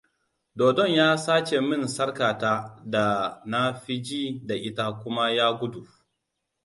Dodon ya sace min sarƙata da na fi ji da ita kuma ya gudu.